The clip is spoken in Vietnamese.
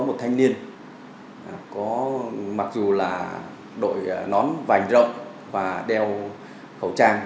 một thanh niên có mặc dù là đội nón vành rộng và đeo khẩu trang